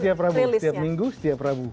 setiap rabu setiap minggu setiap rabu